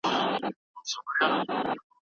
د مقالي برخې په دقت سره وګوره.